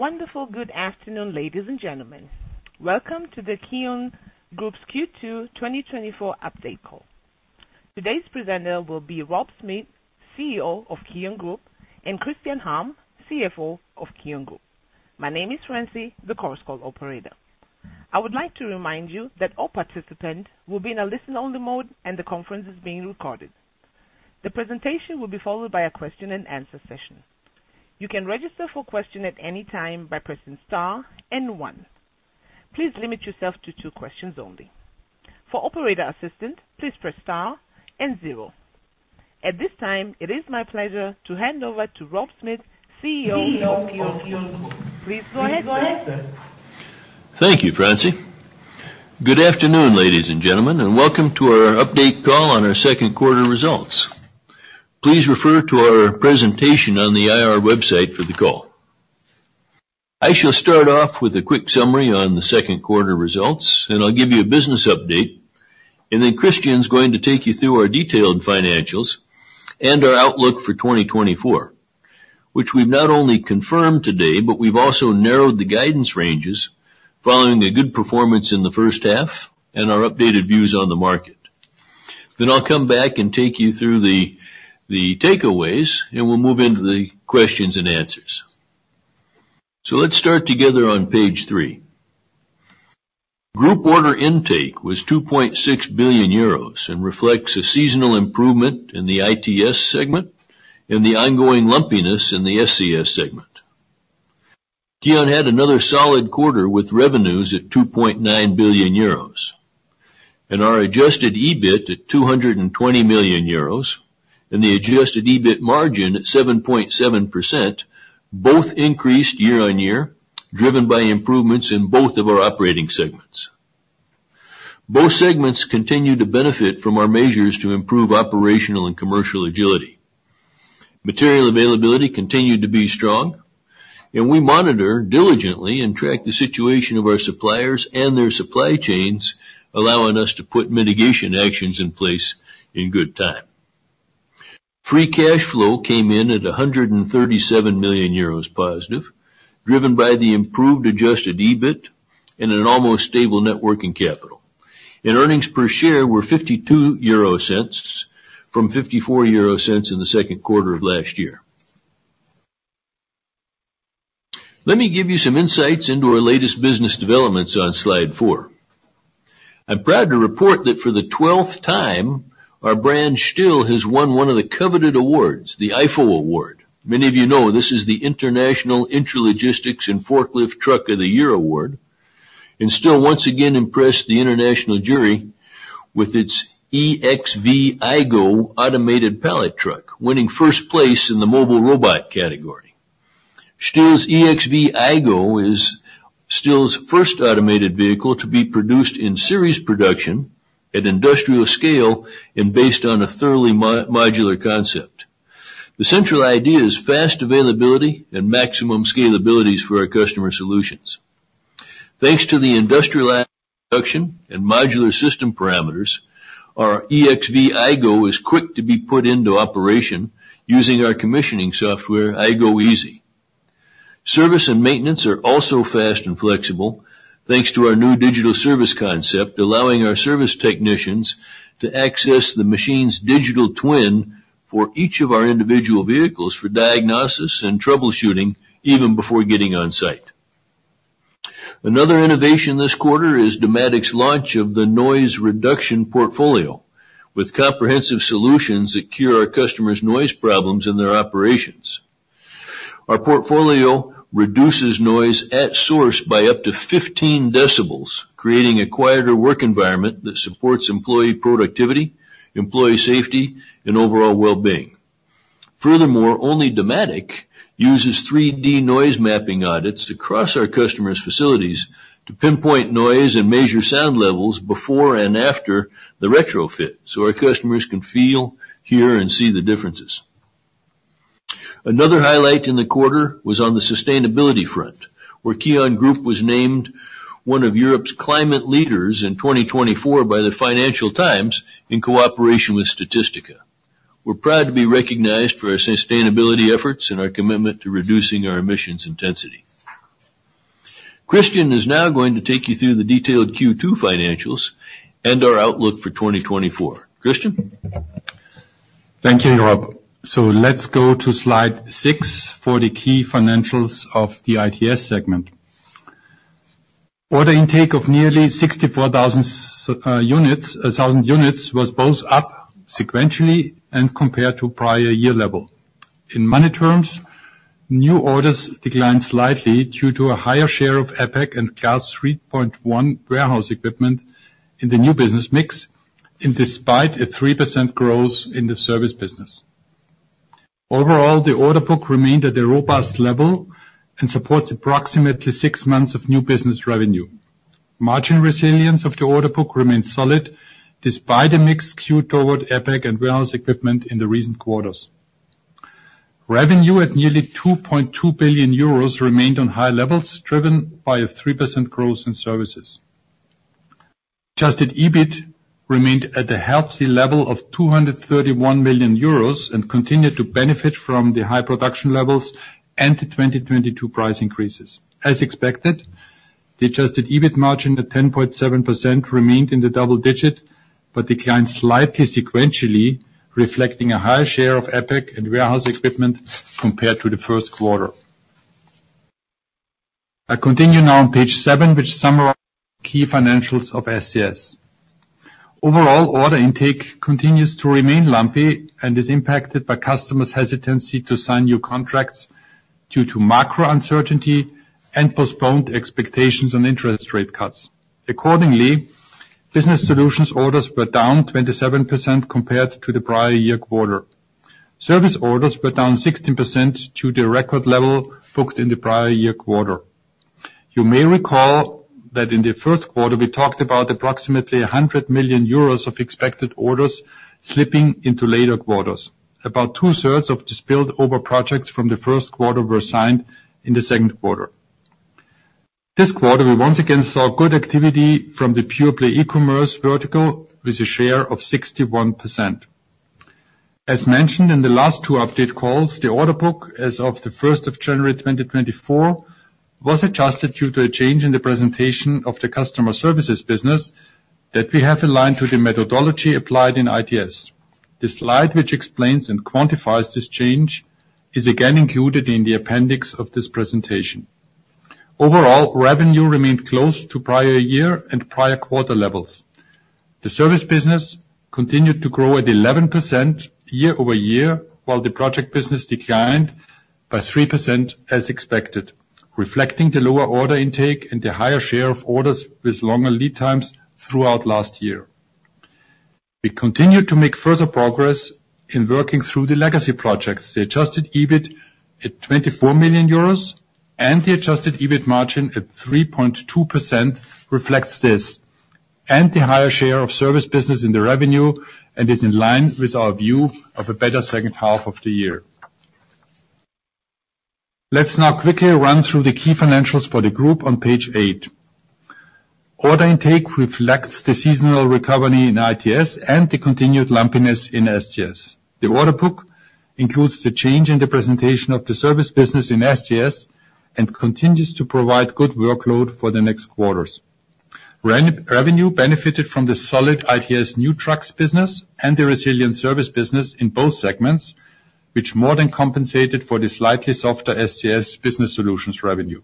A wonderful good afternoon, ladies and gentlemen. Welcome to the KION Group's Q2 2024 update call. Today's presenter will be Rob Smith, CEO of KION Group, and Christian Harm, CFO of KION Group. My name is Francie, the conference call operator. I would like to remind you that all participants will be in a listen-only mode, and the conference is being recorded. The presentation will be followed by a question-and-answer session. You can register for question at any time by pressing star and one. Please limit yourself to two questions only. For operator assistance, please press star and zero. At this time, it is my pleasure to hand over to Rob Smith, CEO of KION Group. Please go ahead, sir. Thank you, Francie. Good afternoon, ladies and gentlemen, and welcome to our update call on our second quarter results. Please refer to our presentation on the IR website for the call. I shall start off with a quick summary on the second quarter results, and I'll give you a business update, and then Christian's going to take you through our detailed financials and our outlook for 2024, which we've not only confirmed today, but we've also narrowed the guidance ranges following a good performance in the first half and our updated views on the market. Then I'll come back and take you through the takeaways, and we'll move into the questions and answers. So let's start together on page 3. Group order intake was 2.6 billion euros and reflects a seasonal improvement in the ITS segment and the ongoing lumpiness in the SCS segment. KION had another solid quarter with revenues at 2.9 billion euros, and our Adjusted EBIT at 220 million euros, and the Adjusted EBIT margin at 7.7%, both increased year-over-year, driven by improvements in both of our operating segments. Both segments continue to benefit from our measures to improve operational and commercial agility. Material availability continued to be strong, and we monitor diligently and track the situation of our suppliers and their supply chains, allowing us to put mitigation actions in place in good time. Free cash flow came in at 137 million euros positive, driven by the improved Adjusted EBIT and an almost stable net working capital. Earnings per share were 0.52 from 0.54 in the second quarter of last year. Let me give you some insights into our latest business developments on slide four. I'm proud to report that for the twelfth time, our brand STILL has won one of the coveted awards, the IFOY Award. Many of you know, this is the International Intralogistics and Forklift Truck of the Year award, and STILL once again impressed the international jury with its EXV iGo automated pallet truck, winning first place in the mobile robot category. STILL's EXV iGo is STILL's first automated vehicle to be produced in series production at industrial scale and based on a thoroughly modular concept. The central idea is fast availability and maximum scalabilities for our customer solutions. Thanks to the industrial production and modular system parameters, our EXV iGo is quick to be put into operation using our commissioning software, iGo Easy. Service and maintenance are also fast and flexible, thanks to our new digital service concept, allowing our service technicians to access the machine's digital twin for each of our individual vehicles for diagnosis and troubleshooting even before getting on site. Another innovation this quarter is Dematic's launch of the noise reduction portfolio, with comprehensive solutions that cure our customers' noise problems in their operations. Our portfolio reduces noise at source by up to 15 decibels, creating a quieter work environment that supports employee productivity, employee safety, and overall well-being. Furthermore, only Dematic uses 3D noise mapping audits across our customers' facilities to pinpoint noise and measure sound levels before and after the retrofit, so our customers can feel, hear, and see the differences. Another highlight in the quarter was on the sustainability front, where KION Group was named one of Europe's climate leaders in 2024 by the Financial Times in cooperation with Statista. We're proud to be recognized for our sustainability efforts and our commitment to reducing our emissions intensity. Christian is now going to take you through the detailed Q2 financials and our outlook for 2024. Christian? Thank you, Rob. So let's go to slide 6 for the key financials of the ITS segment. Order intake of nearly 64,000 units was both up sequentially and compared to prior year level. In money terms, new orders declined slightly due to a higher share of APAC and Class 3.1 warehouse equipment in the new business mix and despite a 3% growth in the service business. Overall, the order book remained at a robust level and supports approximately six months of new business revenue. Margin resilience of the order book remains solid, despite a mixed skew toward APAC and warehouse equipment in the recent quarters. Revenue at nearly 2.2 billion euros remained on high levels, driven by a 3% growth in services. Adjusted EBIT remained at a healthy level of 231 million euros, and continued to benefit from the high production levels and the 2022 price increases. As expected, the adjusted EBIT margin at 10.7% remained in the double digit, but declined slightly sequentially, reflecting a higher share of APAC and warehouse equipment compared to the first quarter. I continue now on page seven, which summarize key financials of SCS. Overall, order intake continues to remain lumpy and is impacted by customers' hesitancy to sign new contracts due to macro uncertainty and postponed expectations on interest rate cuts. Accordingly, business solutions orders were down 27% compared to the prior year quarter. Service orders were down 16% to the record level booked in the prior year quarter. You may recall that in the first quarter, we talked about approximately 100 million euros of expected orders slipping into later quarters. About two-thirds of the spilled over projects from the first quarter were signed in the second quarter. This quarter, we once again saw good activity from the pure play e-commerce vertical, with a share of 61%. As mentioned in the last two update calls, the order book, as of the first of January, 2024, was adjusted due to a change in the presentation of the customer services business, that we have aligned to the methodology applied in ITS. The slide, which explains and quantifies this change, is again included in the appendix of this presentation. Overall, revenue remained close to prior year and prior quarter levels. The service business continued to grow at 11% year over year, while the project business declined by 3% as expected, reflecting the lower order intake and the higher share of orders with longer lead times throughout last year. We continued to make further progress in working through the legacy projects. The adjusted EBIT at 24 million euros and the adjusted EBIT margin at 3.2% reflects this, and the higher share of service business in the revenue, and is in line with our view of a better second half of the year. Let's now quickly run through the key financials for the group on page 8. Order intake reflects the seasonal recovery in ITS and the continued lumpiness in SCS. The order book includes the change in the presentation of the service business in SCS, and continues to provide good workload for the next quarters. Revenue benefited from the solid ITS new trucks business and the resilient service business in both segments, which more than compensated for the slightly softer SCS business solutions revenue.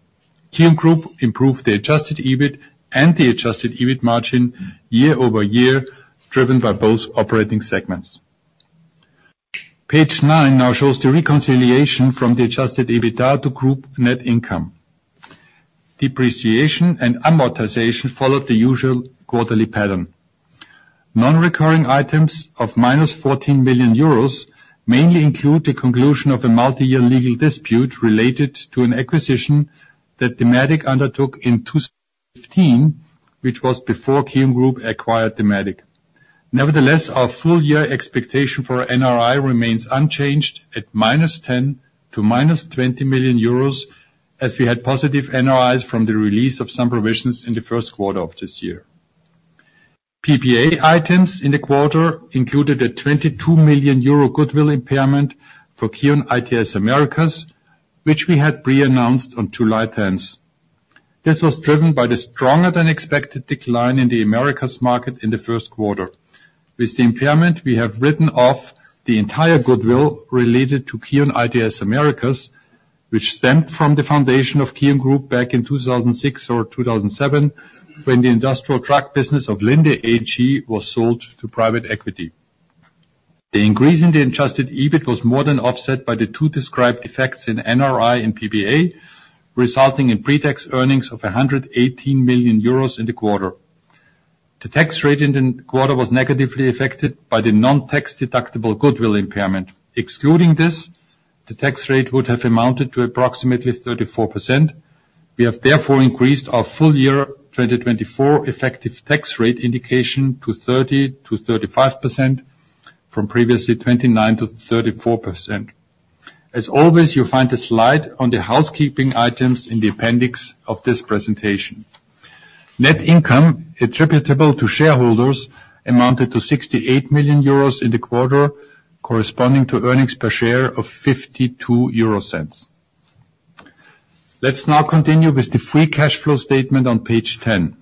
KION Group improved the Adjusted EBIT and the Adjusted EBIT margin year-over-year, driven by both operating segments. Page 9 now shows the reconciliation from the Adjusted EBITDA to group net income. Depreciation and amortization followed the usual quarterly pattern. Non-recurring items of -14 billion euros mainly include the conclusion of a multi-year legal dispute related to an acquisition that Dematic undertook in 2015, which was before KION Group acquired Dematic. Nevertheless, our full year expectation for NRI remains unchanged at -10 million to -20 million euros, as we had positive NRIs from the release of some provisions in the first quarter of this year. PPA items in the quarter included a 22 million euro goodwill impairment for KION ITS Americas, which we had pre-announced on July tenth. This was driven by the stronger than expected decline in the Americas market in the first quarter. With the impairment, we have written off the entire goodwill related to KION ITS Americas, which stemmed from the foundation of KION Group back in 2006 or 2007, when the industrial truck business of Linde AG was sold to private equity. The increase in the adjusted EBIT was more than offset by the two described effects in NRI and PPA, resulting in pre-tax earnings of 118 million euros in the quarter. The tax rate in the quarter was negatively affected by the non-tax-deductible goodwill impairment. Excluding this, the tax rate would have amounted to approximately 34%. We have therefore increased our full year 2024 effective tax rate indication to 30%-35%, from previously 29%-34%. As always, you'll find the slide on the housekeeping items in the appendix of this presentation. Net income attributable to shareholders amounted to 68 million euros in the quarter, corresponding to earnings per share of 0.52 EUR. Let's now continue with the free cash flow statement on page 10.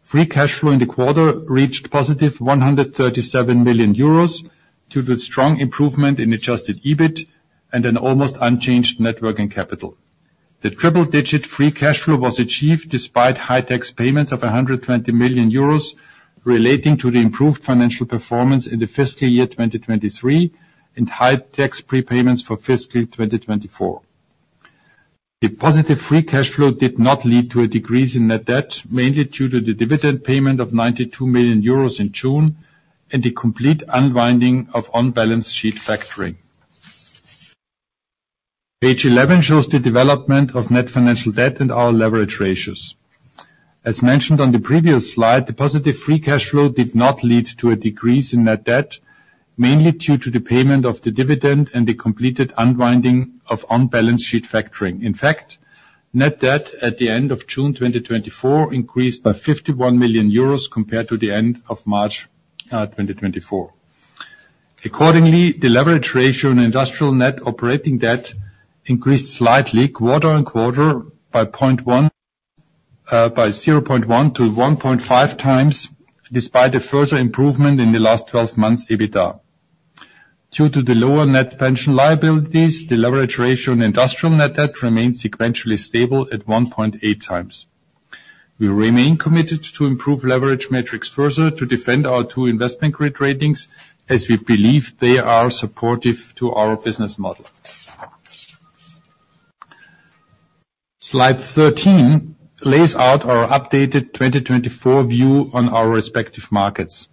Free cash flow in the quarter reached positive 137 million euros, due to the strong improvement in adjusted EBIT and an almost unchanged net working capital. The triple digit free cash flow was achieved despite high tax payments of 120 million euros relating to the improved financial performance in the fiscal year 2023, and high tax prepayments for fiscal 2024. The positive free cash flow did not lead to a decrease in net debt, mainly due to the dividend payment of 92 million euros in June, and the complete unwinding of on-balance sheet factoring. Page 11 shows the development of net financial debt and our leverage ratios. As mentioned on the previous slide, the positive free cash flow did not lead to a decrease in net debt mainly due to the payment of the dividend and the completed unwinding of on-balance sheet factoring. In fact, net debt at the end of June 2024 increased by 51 million euros compared to the end of March 2024. Accordingly, the leverage ratio in industrial net operating debt increased slightly quarter-on-quarter by 0.1, by 0.1 to 1.5 times, despite a further improvement in the last 12 months EBITDA. Due to the lower net pension liabilities, the leverage ratio on industrial net debt remains sequentially stable at 1.8 times. We remain committed to improve leverage metrics further to defend our two investment grade ratings, as we believe they are supportive to our business model. Slide 13 lays out our updated 2024 view on our respective markets.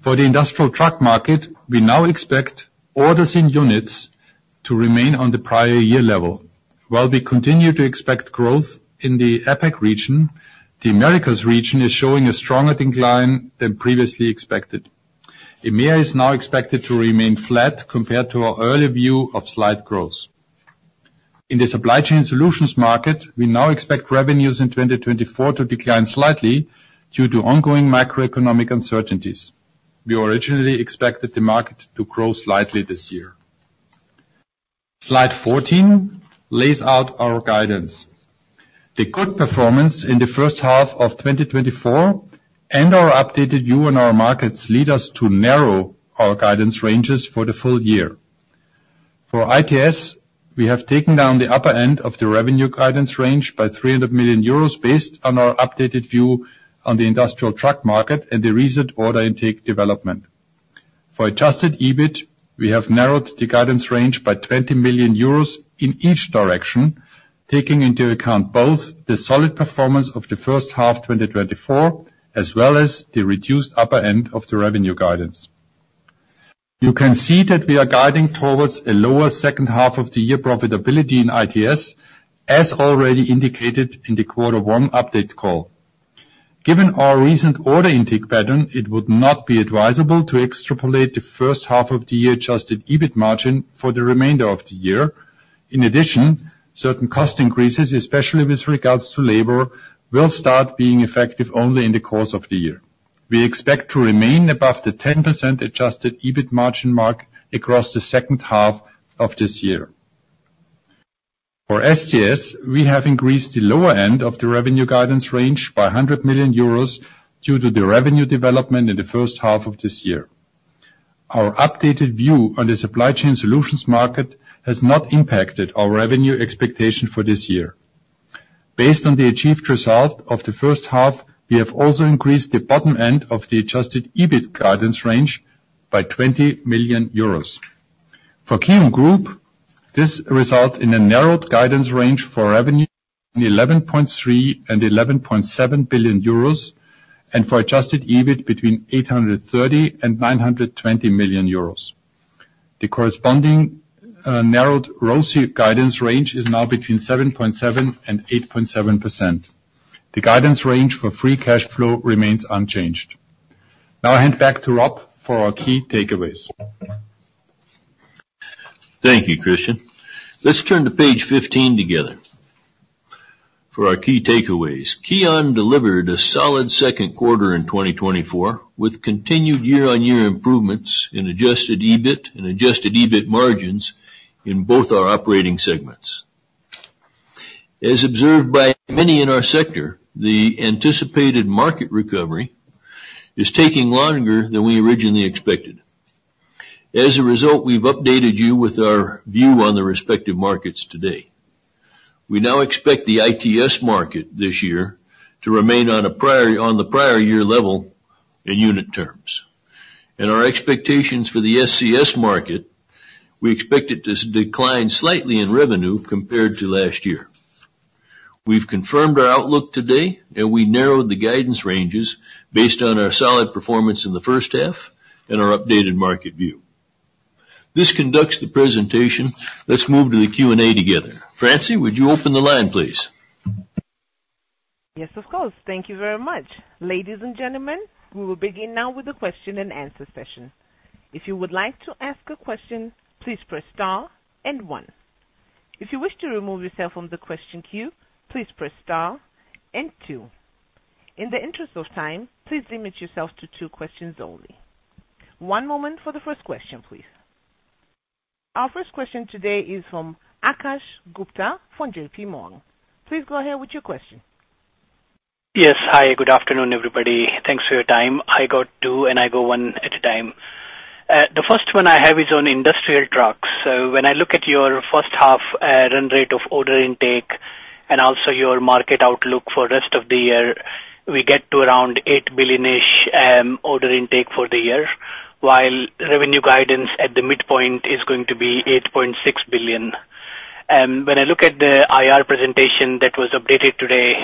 For the industrial truck market, we now expect orders in units to remain on the prior year level. While we continue to expect growth in the APAC region, the Americas region is showing a stronger decline than previously expected. EMEA is now expected to remain flat compared to our earlier view of slight growth. In the supply chain solutions market, we now expect revenues in 2024 to decline slightly due to ongoing macroeconomic uncertainties. We originally expected the market to grow slightly this year. Slide 14 lays out our guidance. The good performance in the first half of 2024 and our updated view on our markets lead us to narrow our guidance ranges for the full year. For ITS, we have taken down the upper end of the revenue guidance range by 300 million euros based on our updated view on the industrial truck market and the recent order intake development. For adjusted EBIT, we have narrowed the guidance range by 20 million euros in each direction, taking into account both the solid performance of the first half, 2024, as well as the reduced upper end of the revenue guidance. You can see that we are guiding towards a lower second half of the year profitability in ITS, as already indicated in the quarter one update call. Given our recent order intake pattern, it would not be advisable to extrapolate the first half of the year Adjusted EBIT margin for the remainder of the year. In addition, certain cost increases, especially with regards to labor, will start being effective only in the course of the year. We expect to remain above the 10% Adjusted EBIT margin mark across the second half of this year. For SCS, we have increased the lower end of the revenue guidance range by 100 million euros due to the revenue development in the first half of this year. Our updated view on the supply chain solutions market has not impacted our revenue expectation for this year. Based on the achieved result of the first half, we have also increased the bottom end of the Adjusted EBIT guidance range by 20 million euros. For KION Group, this results in a narrowed guidance range for revenue in 11.3 billion-11.7 billion euros, and for adjusted EBIT, between 830 million-920 million euros. The corresponding narrowed ROCE guidance range is now between 7.7% and 8.7%. The guidance range for free cash flow remains unchanged. Now I hand back to Rob for our key takeaways. Thank you, Christian. Let's turn to page 15 together. For our key takeaways, KION delivered a solid second quarter in 2024, with continued year-on-year improvements in Adjusted EBIT and Adjusted EBIT margins in both our operating segments. As observed by many in our sector, the anticipated market recovery is taking longer than we originally expected. As a result, we've updated you with our view on the respective markets today. We now expect the ITS market this year to remain on a prior, on the prior year level in unit terms. And our expectations for the SCS market, we expect it to decline slightly in revenue compared to last year. We've confirmed our outlook today, and we narrowed the guidance ranges based on our solid performance in the first half and our updated market view. This concludes the presentation. Let's move to the Q&A together. Francie, would you open the line, please? Yes, of course. Thank you very much. Ladies and gentlemen, we will begin now with the question-and-answer session. If you would like to ask a question, please press star and one. If you wish to remove yourself from the question queue, please press star and two. In the interest of time, please limit yourself to two questions only. One moment for the first question, please. Our first question today is from Akash Gupta from JP Morgan. Please go ahead with your question. Yes. Hi, good afternoon, everybody. Thanks for your time. I got two, and I go one at a time. The first one I have is on industrial trucks. So when I look at your first half run rate of order intake and also your market outlook for rest of the year, we get to around 8 billion-ish order intake for the year, while revenue guidance at the midpoint is going to be 8.6 billion. When I look at the IR presentation that was updated today,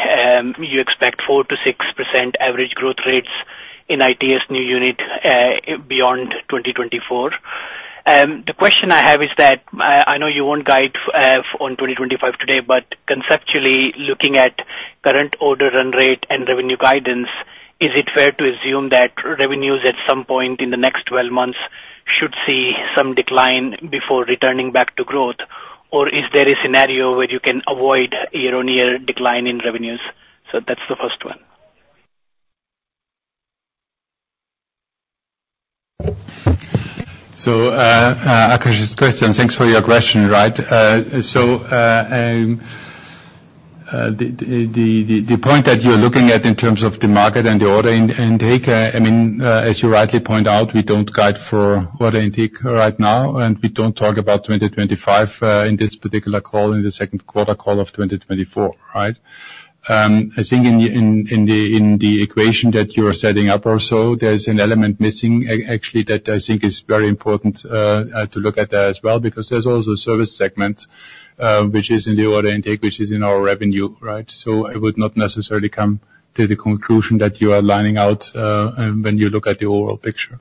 you expect 4%-6% average growth rates in ITS new unit beyond 2024. The question I have is that, I know you won't guide on 2025 today, but conceptually, looking at current order run rate and revenue guidance, is it fair to assume that revenues at some point in the next 12 months should see some decline before returning back to growth? Or is there a scenario where you can avoid a year-on-year decline in revenues? So that's the first one. So, Akash's question, thanks for your question, right. So, the point that you're looking at in terms of the market and the order intake, I mean, as you rightly point out, we don't guide for order intake right now, and we don't talk about 2025, in this particular call, in the second quarter call of 2024, right? I think in the equation that you are setting up or so, there's an element missing actually, that I think is very important, to look at that as well, because there's also a service segment, which is in the order intake, which is in our revenue, right? I would not necessarily come to the conclusion that you are laying out when you look at the overall picture.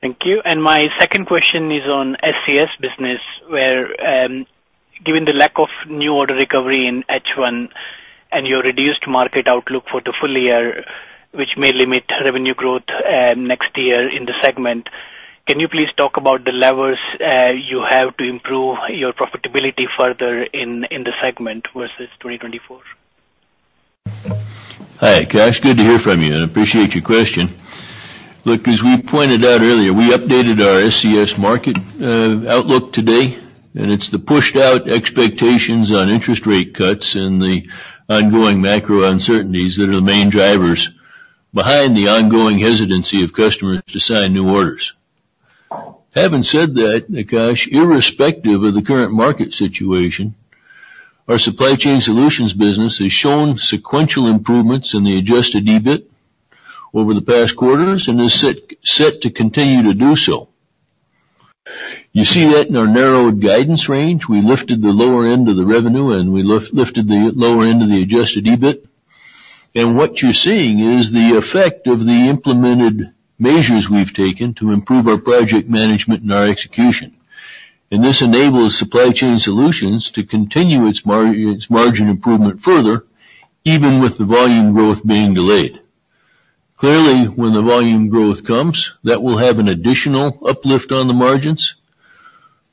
Thank you. And my second question is on SCS business, where, given the lack of new order recovery in H1 and your reduced market outlook for the full year, which may limit revenue growth next year in the segment, can you please talk about the levers you have to improve your profitability further in the segment versus 2024? Hi, Akash, good to hear from you, and I appreciate your question. Look, as we pointed out earlier, we updated our SCS market outlook today, and it's the pushed out expectations on interest rate cuts and the ongoing macro uncertainties that are the main drivers behind the ongoing hesitancy of customers to sign new orders. Having said that, Akash, irrespective of the current market situation, our supply chain solutions business has shown sequential improvements in the adjusted EBIT over the past quarters and is set to continue to do so. You see that in our narrowed guidance range, we lifted the lower end of the revenue, and we lifted the lower end of the adjusted EBIT. And what you're seeing is the effect of the implemented measures we've taken to improve our project management and our execution. This enables Supply Chain Solutions to continue its margin improvement further, even with the volume growth being delayed. Clearly, when the volume growth comes, that will have an additional uplift on the margins.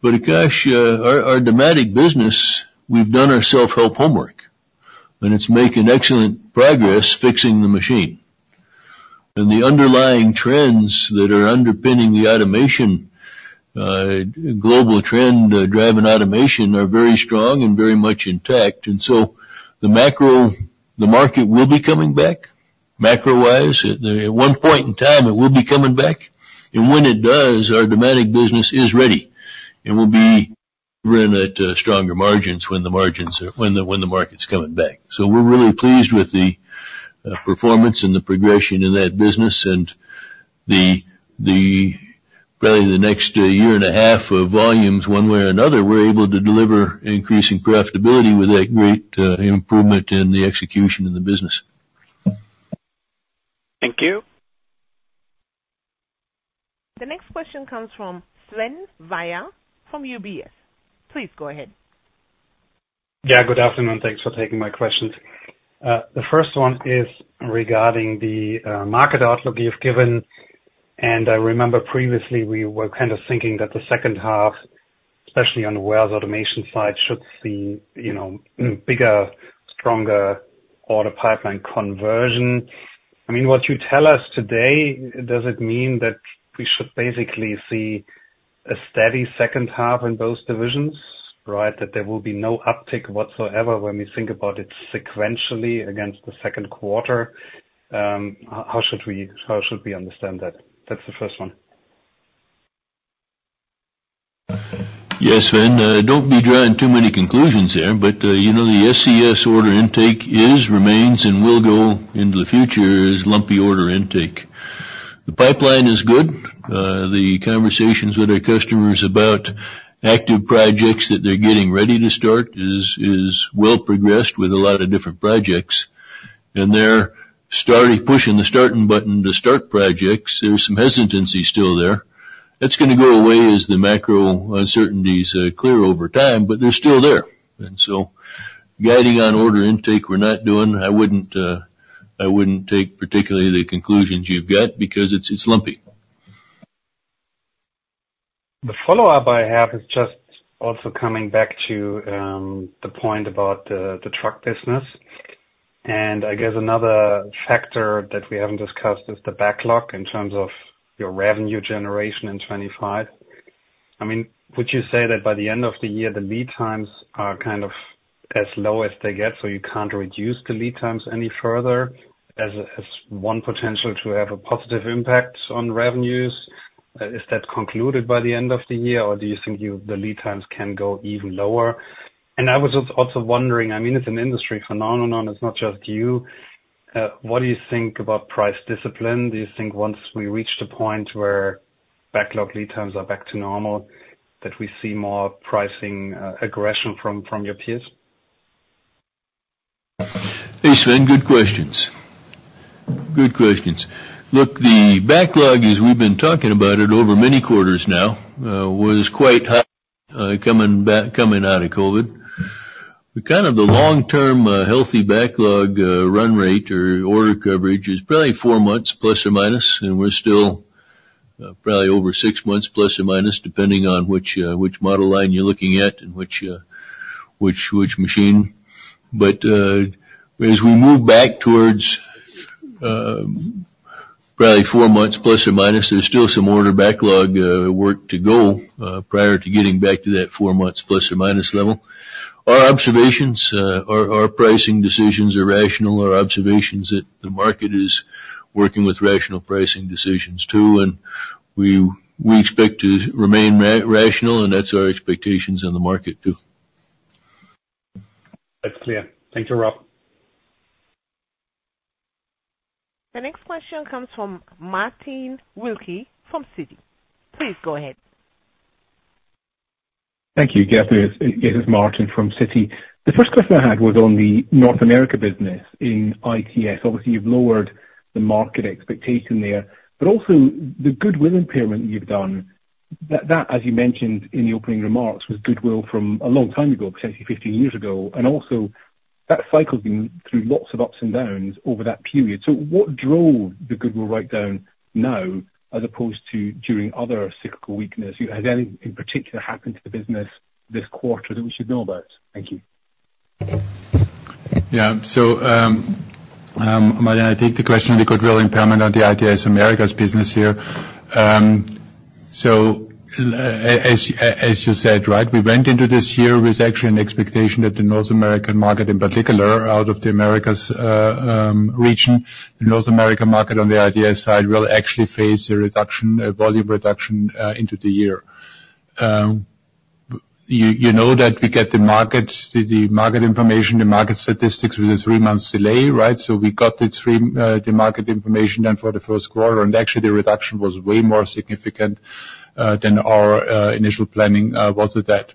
But Akash, our, our Dematic business, we've done our self-help homework, and it's making excellent progress fixing the machine. And the underlying trends that are underpinning the automation, global trend, driving automation, are very strong and very much intact. And so the macro, the market will be coming back, macro-wise. At one point in time, it will be coming back, and when it does, our Dematic business is ready and will be run at, stronger margins when the margins are, when the, when the market's coming back. We're really pleased with the performance and the progression in that business and probably the next year and a half of volumes, one way or another, we're able to deliver increasing profitability with a great improvement in the execution of the business. Thank you. The next question comes from Sven Weier from UBS. Please go ahead. Yeah, good afternoon. Thanks for taking my questions. The first one is regarding the market outlook you've given, and I remember previously we were kind of thinking that the second half, especially on the SCS automation side, should see, you know, bigger, stronger order pipeline conversion. I mean, what you tell us today, does it mean that we should basically see a steady second half in both divisions, right? That there will be no uptick whatsoever when we think about it sequentially against the second quarter. How should we understand that? That's the first one. Yes, Sven, don't be drawing too many conclusions there, but, you know, the SCS order intake is, remains, and will go into the future, is lumpy order intake. The pipeline is good. The conversations with our customers about active projects that they're getting ready to start is, is well progressed with a lot of different projects, and they're starting, pushing the starting button to start projects. There's some hesitancy still there. That's gonna go away as the macro uncertainties clear over time, but they're still there. And so guiding on order intake, we're not doing... I wouldn't, I wouldn't take particularly the conclusions you've got because it's, it's lumpy. The follow-up I have is just also coming back to the point about the truck business. I guess another factor that we haven't discussed is the backlog in terms of your revenue generation in 2025. I mean, would you say that by the end of the year, the lead times are kind of as low as they get, so you can't reduce the lead times any further, as one potential to have a positive impact on revenues? Is that concluded by the end of the year, or do you think the lead times can go even lower? I was also wondering, I mean, it's an industry phenomenon, it's not just you. What do you think about price discipline? Do you think once we reach the point where backlog lead times are back to normal, that we see more pricing aggression from your peers?... Hey, Sven, good questions. Good questions. Look, the backlog, as we've been talking about it over many quarters now, was quite high, coming back, coming out of COVID. But kind of the long-term, healthy backlog, run rate or order coverage is probably four months, plus or minus, and we're still, probably over six months, plus or minus, depending on which, which model line you're looking at and which, which, which machine. But, as we move back towards, probably four months, plus or minus, there's still some order backlog, work to do, prior to getting back to that four months, plus or minus level. Our observations, our, our pricing decisions are rational, our observations that the market is working with rational pricing decisions, too. We expect to remain rational, and that's our expectations in the market, too. That's clear. Thank you, Rob. The next question comes from Martin Wilkie from Citi. Please go ahead. Thank you. Yes, this, yes, it's Martin from Citi. The first question I had was on the North America business in ITS. Obviously, you've lowered the market expectation there, but also the goodwill impairment you've done, that, that, as you mentioned in the opening remarks, was goodwill from a long time ago, potentially 15 years ago. And also, that cycle's been through lots of ups and downs over that period. So what drove the goodwill write-down now, as opposed to during other cyclical weakness? Has anything in particular happened to the business this quarter that we should know about? Thank you. Yeah. So, Martin, I take the question on the goodwill impairment on the ITS Americas business here. So, as you said, right, we went into this year with actually an expectation that the North American market, in particular, out of the Americas, region, the North American market on the ITS side will actually face a reduction, a volume reduction, into the year. You know that we get the market information, the market statistics with a three-month delay, right? So we got the market information then for the first quarter, and actually the reduction was way more significant than our initial planning was with that.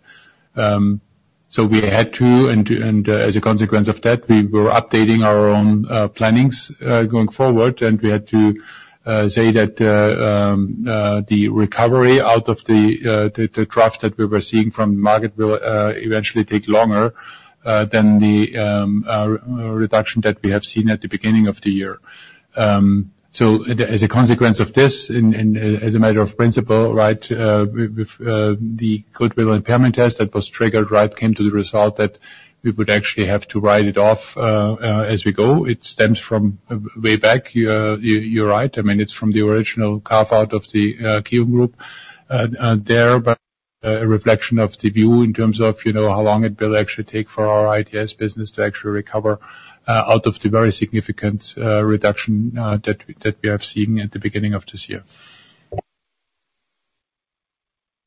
So we had to, and as a consequence of that, we were updating our own plannings going forward. And we had to say that the recovery out of the draft that we were seeing from the market will eventually take longer than the reduction that we have seen at the beginning of the year. So as a consequence of this, and as a matter of principle, right, with the goodwill impairment test that was triggered, right, came to the result that we would actually have to write it off as we go. It stems from way back, you're right. I mean, it's from the original carve-out of the KION Group there, but a reflection of the view in terms of, you know, how long it will actually take for our ITS business to actually recover out of the very significant reduction that we have seen at the beginning of this year.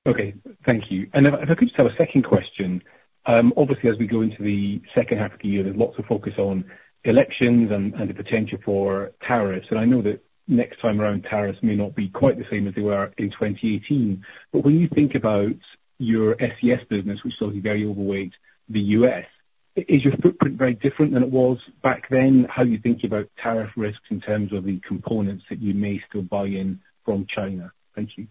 Okay. Thank you. And if I could just have a second question. Obviously, as we go into the second half of the year, there's lots of focus on elections and the potential for tariffs. And I know that next time around, tariffs may not be quite the same as they were in 2018. But when you think about your SCS business, which is obviously very overweight the U.S., is your footprint very different than it was back then? How are you thinking about tariff risks in terms of the components that you may still buy in from China? Thank you.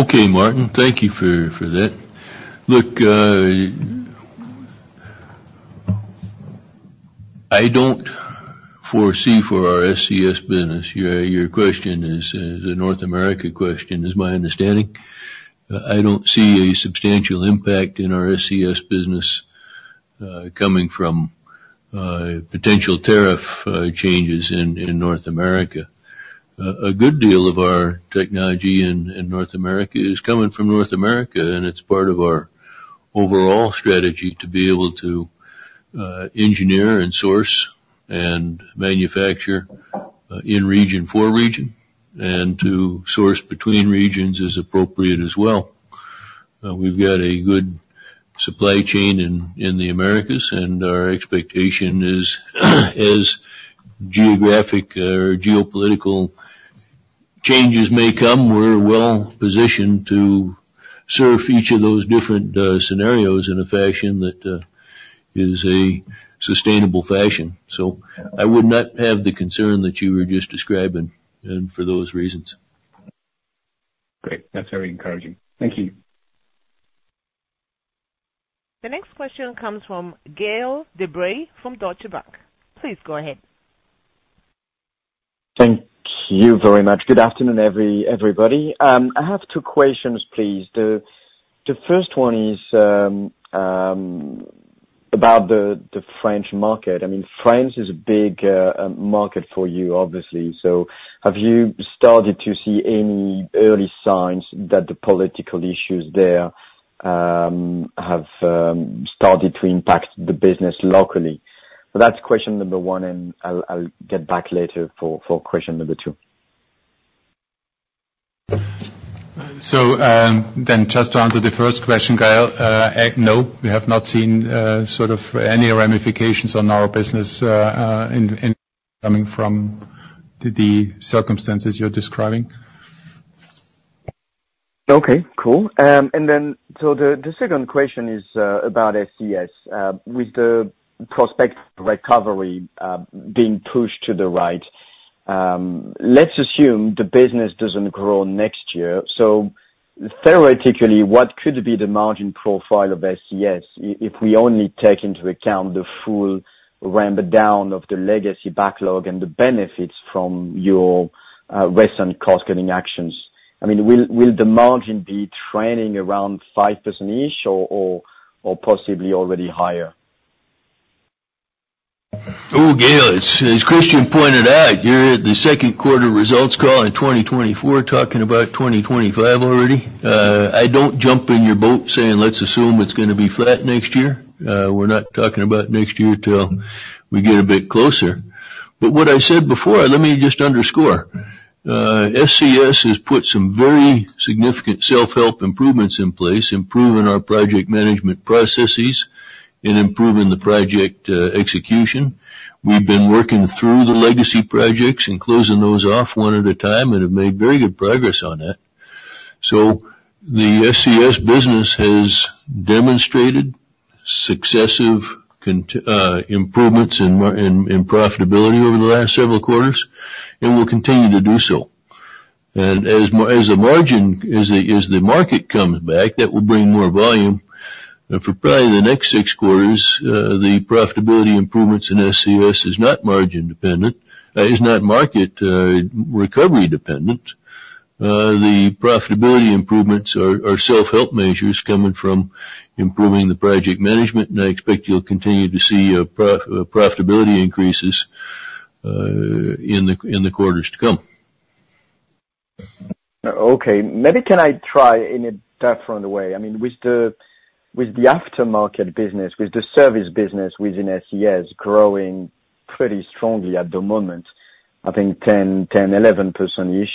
Okay, Martin. Thank you for that. Look, I don't foresee for our SCS business, your question is a North America question, is my understanding. I don't see a substantial impact in our SCS business coming from potential tariff changes in North America. A good deal of our technology in North America is coming from North America, and it's part of our overall strategy to be able to engineer and source and manufacture in region for region, and to source between regions as appropriate as well. We've got a good supply chain in the Americas, and our expectation is, as geographic or geopolitical changes may come, we're well positioned to serve each of those different scenarios in a fashion that is a sustainable fashion. So I would not have the concern that you were just describing, and for those reasons. Great. That's very encouraging. Thank you. The next question comes from Gael De Bray from Deutsche Bank. Please go ahead. Thank you very much. Good afternoon, everybody. I have two questions, please. The first one is about the French market. I mean, France is a big market for you, obviously. So have you started to see any early signs that the political issues there have started to impact the business locally? That's question number one, and I'll get back later for question number two. Then just to answer the first question, Gael, no, we have not seen sort of any ramifications on our business coming from the circumstances you're describing? Okay, cool. And then, so the second question is about SCS. With the prospect recovery being pushed to the right, let's assume the business doesn't grow next year. So theoretically, what could be the margin profile of SCS, if we only take into account the full ramp down of the legacy backlog and the benefits from your recent cost-cutting actions? I mean, will the margin be trending around 5%-ish, or possibly already higher? Oh, Gael, as Christian pointed out, you're at the second quarter results call in 2024, talking about 2025 already. I don't jump in your boat saying, let's assume it's gonna be flat next year. We're not talking about next year till we get a bit closer. But what I said before, let me just underscore. SCS has put some very significant self-help improvements in place, improving our project management processes and improving the project execution. We've been working through the legacy projects and closing those off one at a time, and have made very good progress on that. So the SCS business has demonstrated successive improvements in profitability over the last several quarters, and will continue to do so. And as the margin, as the market comes back, that will bring more volume. For probably the next six quarters, the profitability improvements in SCS is not margin dependent, is not market recovery dependent. The profitability improvements are self-help measures coming from improving the project management, and I expect you'll continue to see profitability increases in the quarters to come. Okay. Maybe can I try in a different way? I mean, with the, with the aftermarket business, with the service business within SCS growing pretty strongly at the moment, I think 10, 10, 11%-ish.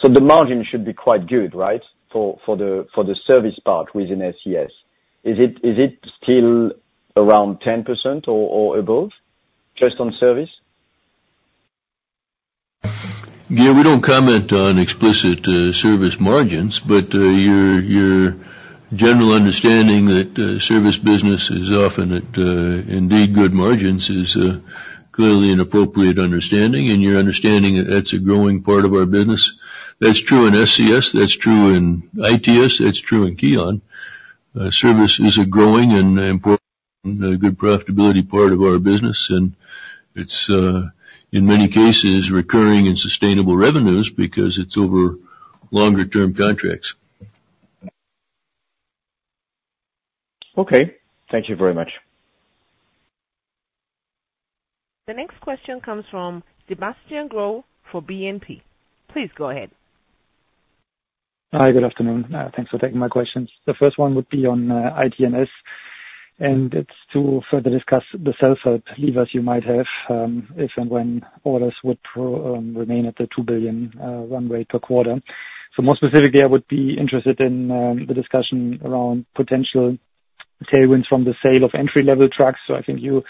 So the margin should be quite good, right, for the service part within SCS. Is it still around 10% or above, just on service? Yeah, we don't comment on explicit service margins, but your general understanding that service business is often at indeed good margins is clearly an appropriate understanding, and you're understanding that that's a growing part of our business. That's true in SCS, that's true in ITS, that's true in KION. Service is a growing and important, a good profitability part of our business, and it's in many cases, recurring and sustainable revenues, because it's over longer term contracts. Okay. Thank you very much. The next question comes from Sebastian Growe for BNP. Please go ahead. Hi, good afternoon. Thanks for taking my questions. The first one would be on ITS, and it's to further discuss the self-help levers you might have, if and when orders would remain at the 2 billion run rate per quarter. So more specifically, I would be interested in the discussion around potential tailwinds from the sale of entry-level trucks. So I think you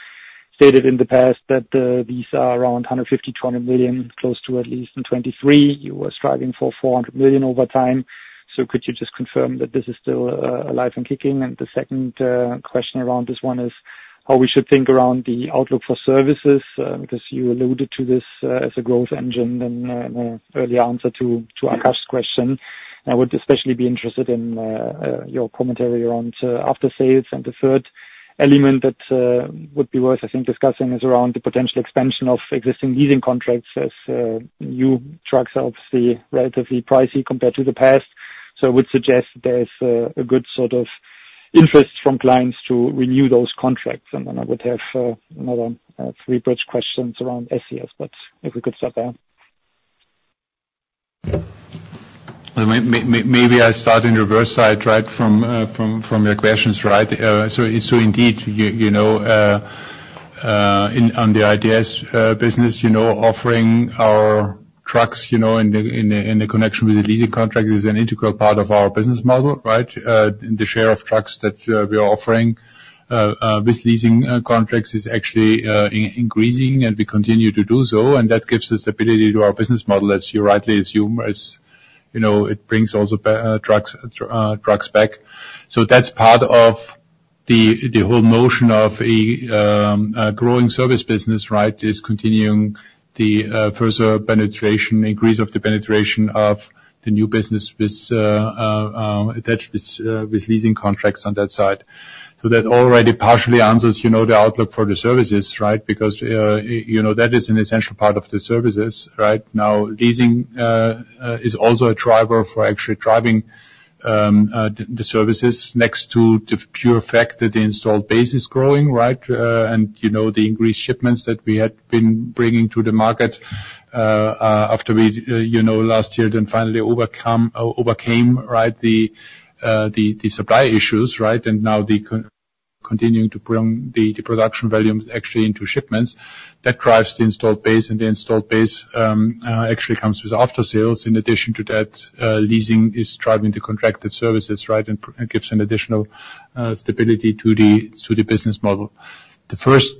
stated in the past that these are around 150-200 million, close to at least in 2023. You were striving for 400 million over time. So could you just confirm that this is still alive and kicking? The second question around this one is, how we should think around the outlook for services, because you alluded to this as a growth engine in an early answer to Akash's question. I would especially be interested in your commentary around after sales. And the third element that would be worth, I think, discussing, is around the potential expansion of existing leasing contracts as new trucks are obviously relatively pricey compared to the past. So I would suggest there's a good sort of interest from clients to renew those contracts. And then I would have another three bridge questions around SCS, but if we could start there. Maybe I start in reverse side, right, from your questions, right? So indeed, you know, in on the ITS business, you know, offering our trucks, you know, in the connection with the leasing contract, is an integral part of our business model, right? The share of trucks that we are offering with leasing contracts is actually increasing, and we continue to do so, and that gives the stability to our business model, as you rightly assume. As you know, it brings also back trucks back. So that's part of the whole notion of a growing service business, right, is continuing the further penetration, increase of the penetration of the business with attached with leasing contracts on that side. So that already partially answers, you know, the outlook for the services, right? Because you know, that is an essential part of the services, right? Now, leasing is also a driver for actually driving the services next to the pure fact that the installed base is growing, right? And, you know, the increased shipments that we had been bringing to the market after we, you know, last year, then finally overcame, right, the supply issues, right? And now, continuing to bring the production volumes actually into shipments. That drives the installed base, and the installed base actually comes with aftersales. In addition to that, leasing is driving the contracted services, right? And gives an additional stability to the business model. The first-...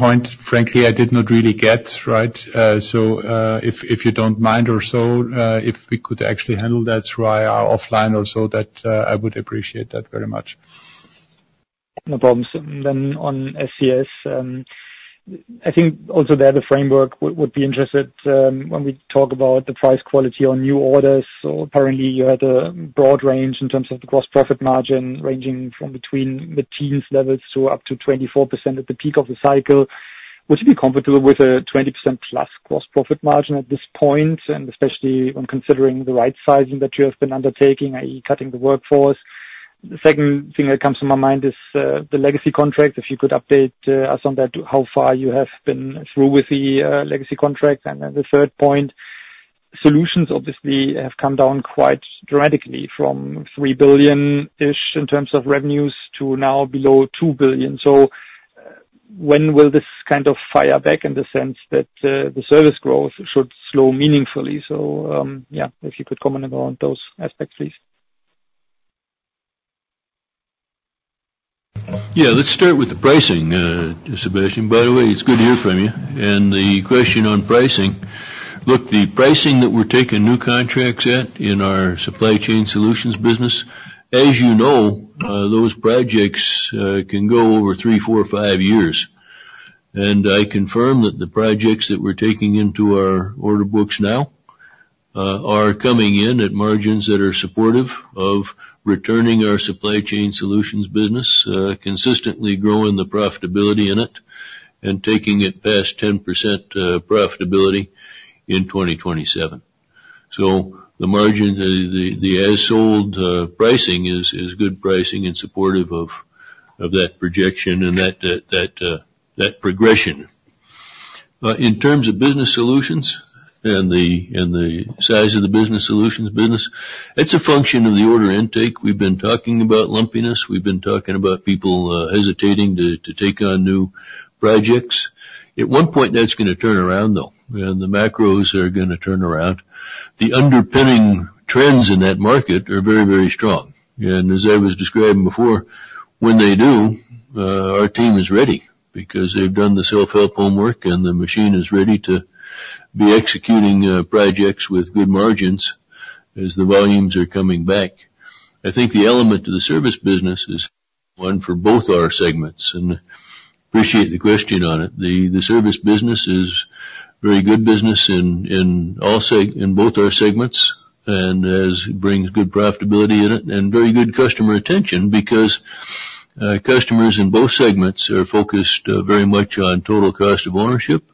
point, frankly, I did not really get, right? So, if you don't mind or so, if we could actually handle that through IR offline or so, that I would appreciate that very much. No problems. Then on SCS, I think also there the framework would be interested, when we talk about the price quality on new orders. So apparently you had a broad range in terms of the gross profit margin, ranging from between the teens levels to up to 24% at the peak of the cycle, would you be comfortable with a 20% plus gross profit margin at this point? And especially when considering the right sizing that you have been undertaking, i.e., cutting the workforce. The second thing that comes to my mind is, the legacy contract. If you could update us on that, how far you have been through with the, legacy contract. And then the third point, solutions obviously have come down quite dramatically from 3 billion-ish in terms of revenues, to now below 2 billion. When will this kind of fire back in the sense that the service growth should slow meaningfully? Yeah, if you could comment about those aspects, please. Yeah. Let's start with the pricing, Sebastian. By the way, it's good to hear from you. And the question on pricing: Look, the pricing that we're taking new contracts at in our supply chain solutions business, as you know, those projects can go over 3, 4, 5 years. And I confirm that the projects that we're taking into our order books now are coming in at margins that are supportive of returning our supply chain solutions business consistently growing the profitability in it, and taking it past 10% profitability in 2027. So the margin, the as sold pricing is good pricing and supportive of that projection and that progression. In terms of business solutions and the size of the business solutions business, it's a function of the order intake. We've been talking about lumpiness, we've been talking about people hesitating to take on new projects. At one point, that's gonna turn around, though, and the macros are gonna turn around. The underpinning trends in that market are very, very strong, and as I was describing before, when they do, our team is ready because they've done the self-help homework, and the machine is ready to be executing projects with good margins as the volumes are coming back. I think the element of the service business is one for both our segments, and appreciate the question on it. The service business is very good business in all seg- in both our segments, and as it brings good profitability in it and very good customer attention. Because, customers in both segments are focused very much on total cost of ownership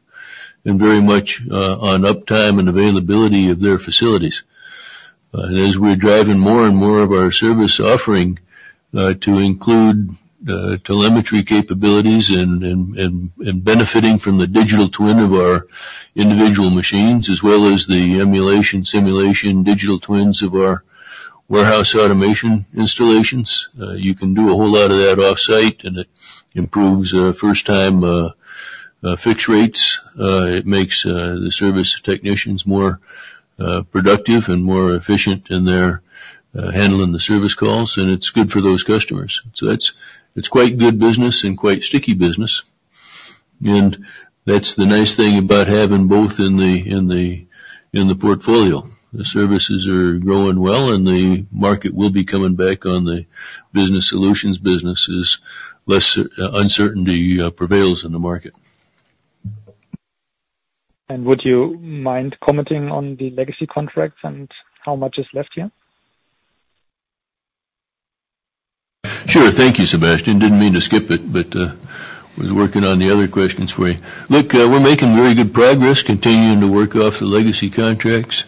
and very much on uptime and availability of their facilities. As we're driving more and more of our service offering to include telemetry capabilities and benefiting from the digital twin of our individual machines, as well as the emulation, simulation, digital twins of our warehouse automation installations, you can do a whole lot of that offsite, and it improves first-time fix rates. It makes the service technicians more productive and more efficient in their handling the service calls, and it's good for those customers. So that's—it's quite good business and quite sticky business. And that's the nice thing about having both in the portfolio. The services are growing well, and the market will be coming back on the business solutions businesses. Less uncertainty prevails in the market. Would you mind commenting on the legacy contracts and how much is left here? Sure. Thank you, Sebastian. Didn't mean to skip it, but was working on the other questions for you. Look, we're making very good progress continuing to work off the legacy contracts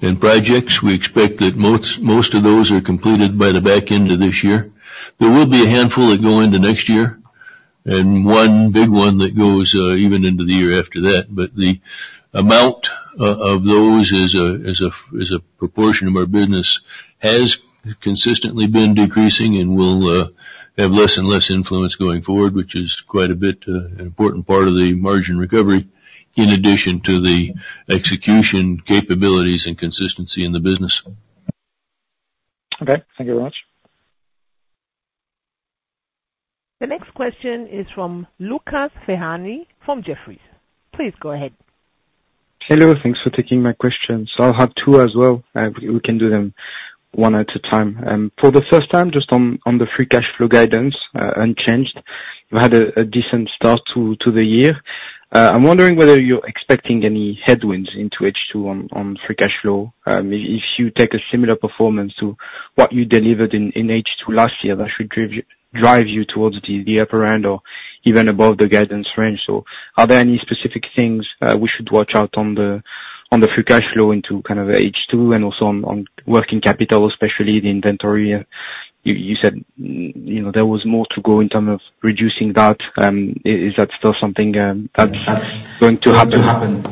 and projects. We expect that most of those are completed by the back end of this year. There will be a handful that go into next year, and one big one that goes even into the year after that. But the amount of those as a proportion of our business has consistently been decreasing and will have less and less influence going forward, which is quite a bit an important part of the margin recovery, in addition to the execution capabilities and consistency in the business. Okay. Thank you very much. The next question is from Lucas Ferhani from Jefferies. Please go ahead. Hello, thanks for taking my question. I'll have two as well. We can do them one at a time. For the first time, just on the free cash flow guidance, unchanged, you had a decent start to the year. I'm wondering whether you're expecting any headwinds into H2 on free cash flow. If you take a similar performance to what you delivered in H2 last year, that should drive you towards the upper end or even above the guidance range. So are there any specific things we should watch out on the free cash flow into kind of H2 and also on working capital, especially the inventory? You said, you know, there was more to go in terms of reducing that. Is that still something that's going to have to happen?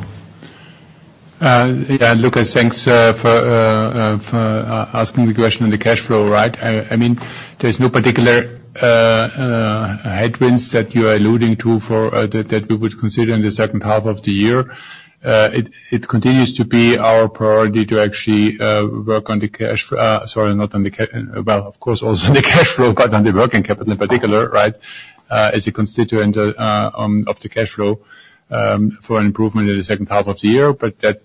Yeah, Lucas, thanks for asking the question on the cash flow, right. I mean, there's no particular headwinds that you're alluding to for that that we would consider in the second half of the year. It continues to be our priority to actually work on the cash flow, but on the working capital in particular, right? As a constituent of the cash flow for improvement in the second half of the year, it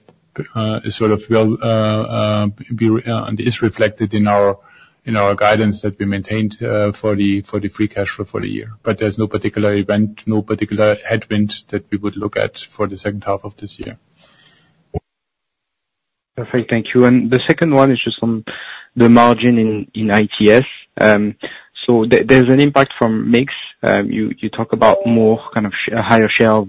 sort of will be and is reflected in our guidance that we maintained for the free cash flow for the year. But there's no particular event, no particular headwind that we would look at for the second half of this year. Perfect, thank you. And the second one is just on the margin in ITS. So there, there's an impact from mix. You talk about more kind of a higher share of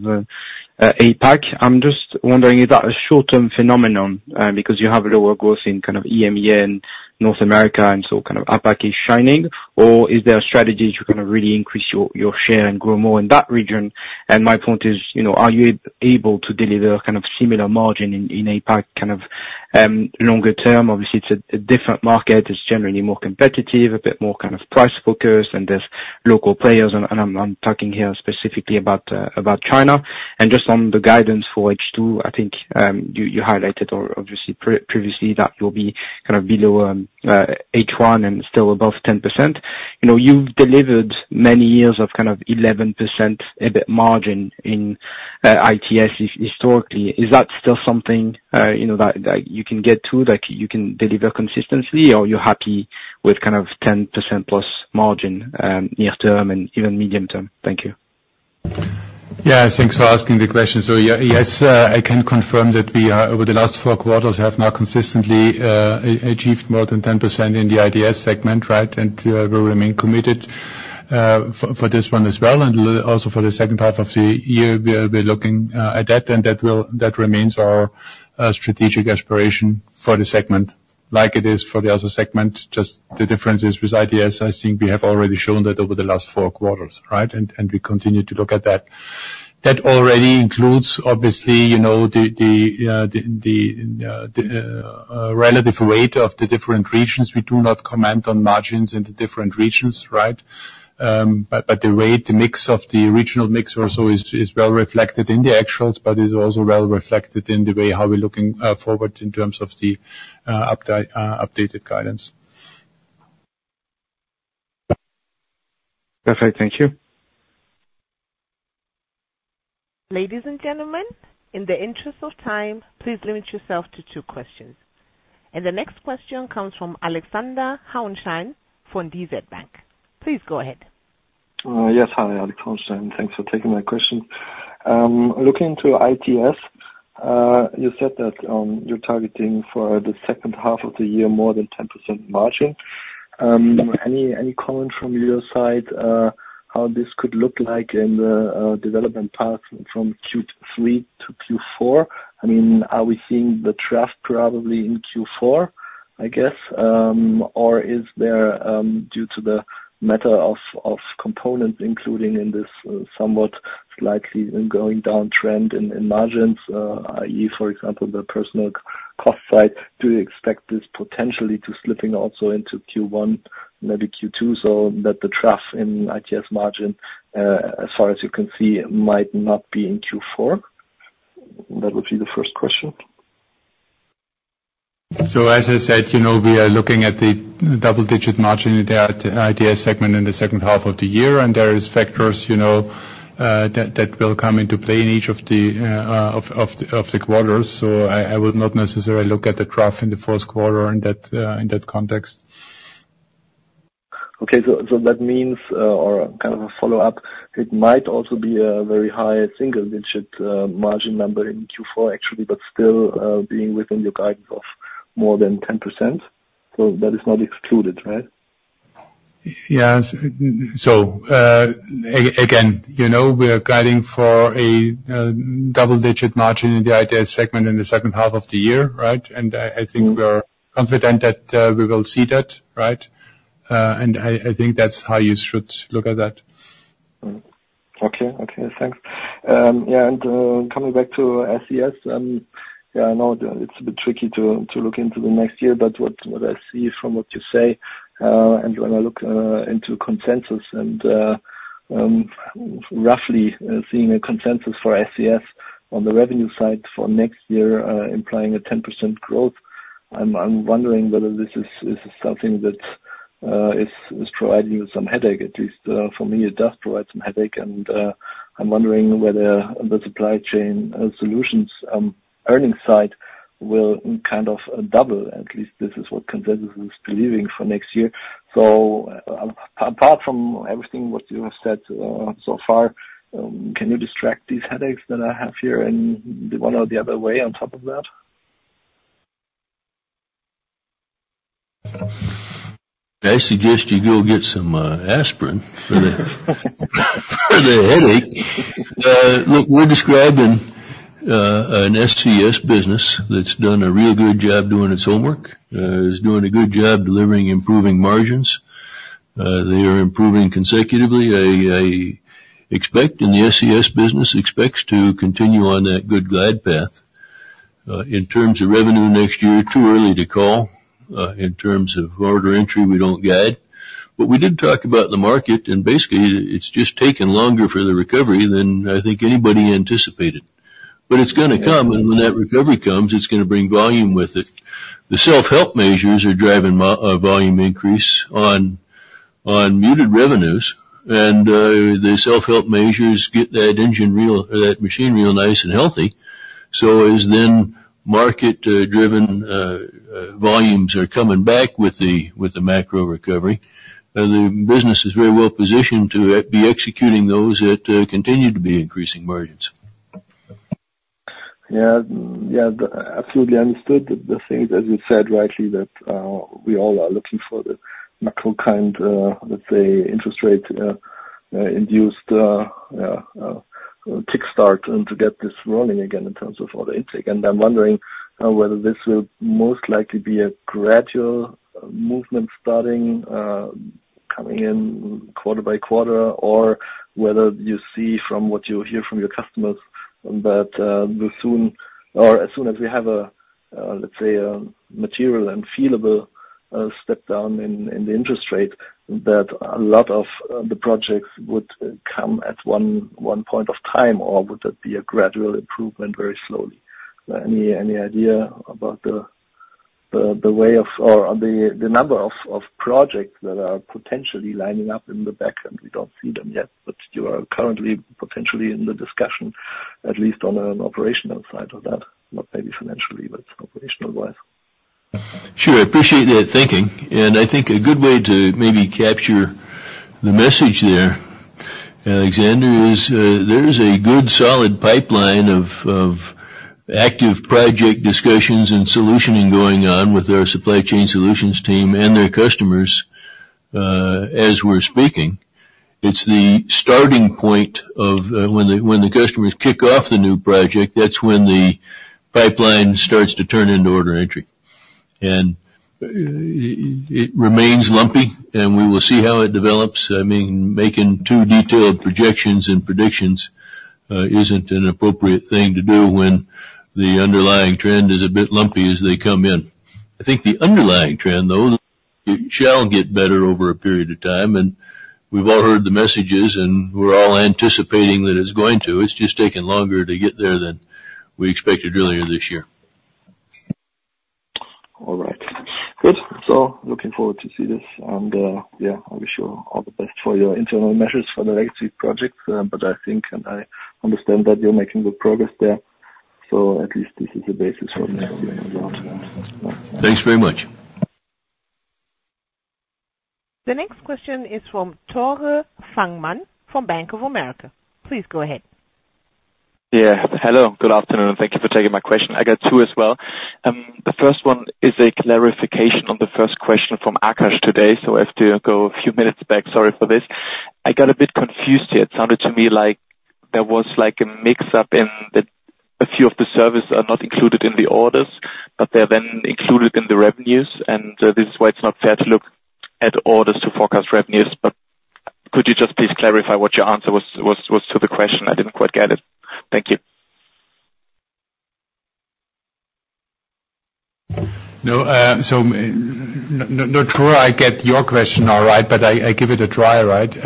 APAC. I'm just wondering, is that a short-term phenomenon? Because you have lower growth in kind of EMEA, North America, and so kind of APAC is shining. Or is there a strategy to kind of really increase your share and grow more in that region? And my point is, you know, are you able to deliver kind of similar margin in APAC, kind of longer term? Obviously, it's a different market. It's generally more competitive, a bit more kind of price focused, and there's local players. And I'm talking here specifically about China. Just on the guidance for H2, I think, you, you highlighted or obviously previously, that you'll be kind of below, H1 and still above 10%. You know, you've delivered many years of kind of 11% EBIT margin in, ITS historically. Is that still something, you know, that, that you can get to, that you can deliver consistently, or you're happy with kind of 10%+ margin, near term and even medium term? Thank you. Yeah, thanks for asking the question. So yeah. Yes, I can confirm that we are, over the last four quarters, have now consistently achieved more than 10% in the ITS segment, right? And, we remain committed, for this one as well, and also for the second half of the year, we are, we're looking at that, and that will, that remains our strategic aspiration for the segment, like it is for the other segment. Just the difference is with ITS, I think we have already shown that over the last four quarters, right? And we continue to look at that. That already includes, obviously, you know, the relative weight of the different regions. We do not comment on margins in the different regions, right? But the weight, the mix of the regional mix also is well reflected in the actuals, but is also well reflected in the way how we're looking forward in terms of the updated guidance. Perfect. Thank you. Ladies and gentlemen, in the interest of time, please limit yourself to two questions. The next question comes from Alexander Hauenstein from DZ Bank. Please go ahead. Yes. Hi, Alexander Hauenstein. Thanks for taking my question. Looking into ITS, you said that you're targeting for the second half of the year, more than 10% margin. Any comment from your side how this could look like in the development path from Q3 to Q4? I mean, are we seeing the trough probably in Q4, I guess? Or is there due to the matter of components, including in this somewhat slightly going downtrend in margins, i.e., for example, the personal cost side, do you expect this potentially to slipping also into Q1, maybe Q2, so that the trough in ITS margin as far as you can see might not be in Q4? That would be the first question. So, as I said, you know, we are looking at the double-digit margin in the ITS segment in the second half of the year, and there is factors, you know, that will come into play in each of the quarters. So I would not necessarily look at the trough in the first quarter in that context. Okay. So that means, or kind of a follow-up, it might also be a very high single-digit margin number in Q4, actually, but still being within your guidance of more than 10%. So that is not excluded, right? Yes. So, again, you know, we are guiding for a double-digit margin in the ITS segment in the second half of the year, right? And I, I think we are confident that we will see that, right? And I, I think that's how you should look at that. Mm-hmm. Okay. Okay, thanks. Yeah, and coming back to SCS, yeah, I know it's a bit tricky to look into the next year, but what I see from what you say, and when I look into consensus and roughly seeing a consensus for SCS on the revenue side for next year, implying a 10% growth, I'm wondering whether this is something that is providing you some headache. At least for me, it does provide some headache, and I'm wondering whether the supply chain solutions earnings side will kind of double. At least this is what consensus is believing for next year. So apart from everything, what you have said so far, can you distract these headaches that I have here in the one or the other way on top of that? I suggest you go get some aspirin for the, for the headache. Look, we're describing an SCS business that's done a real good job doing its homework, is doing a good job delivering improving margins. They are improving consecutively. I, I expect, and the SCS business expects to continue on that good guide path. In terms of revenue next year, too early to call. In terms of order entry, we don't guide, but we did talk about the market, and basically, it's just taking longer for the recovery than I think anybody anticipated. But it's gonna come, and when that recovery comes, it's gonna bring volume with it.... The self-help measures are driving a volume increase on muted revenues, and the self-help measures get that engine real, or that machine real nice and healthy. So as the market driven volumes are coming back with the macro recovery, the business is very well positioned to be executing those that continue to be increasing margins. Yeah. Yeah, absolutely understood the things, as you said rightly, that we all are looking for the macro kind, let's say, interest rate kick start and to get this rolling again in terms of order intake. And I'm wondering whether this will most likely be a gradual movement starting coming in quarter by quarter, or whether you see from what you hear from your customers that will soon or as soon as we have a, let's say, a material and feelable step down in the interest rate, that a lot of the projects would come at one point of time, or would that be a gradual improvement, very slowly? Any idea about the way of or on the number of projects that are potentially lining up in the back and we don't see them yet, but you are currently potentially in the discussion, at least on an operational side of that, not maybe financially, but operational-wise? Sure. I appreciate that thinking, and I think a good way to maybe capture the message there, Alexander, is there is a good, solid pipeline of active project discussions and solutioning going on with our supply chain solutions team and their customers as we're speaking. It's the starting point of when the, when the customers kick off the new project, that's when the pipeline starts to turn into order entry. And it remains lumpy, and we will see how it develops. I mean, making too detailed projections and predictions isn't an appropriate thing to do when the underlying trend is a bit lumpy as they come in. I think the underlying trend, though, it shall get better over a period of time, and we've all heard the messages, and we're all anticipating that it's going to. It's just taking longer to get there than we expected earlier this year. All right. Good. So looking forward to see this, and yeah, I wish you all the best for your internal measures for the legacy project, but I think and I understand that you're making good progress there, so at least this is the basis for me as well. Thanks very much. The next question is from Tore Fangmann from Bank of America. Please go ahead. Yeah. Hello, good afternoon, and thank you for taking my question. I got two as well. The first one is a clarification on the first question from Akash today, so I have to go a few minutes back. Sorry for this. I got a bit confused here. It sounded to me like there was, like, a mix-up in the... A few of the service are not included in the orders, but they're then included in the revenues, and this is why it's not fair to look at orders to forecast revenues. But could you just please clarify what your answer was to the question? I didn't quite get it. Thank you. No, so not sure I get your question all right, but I give it a try, right?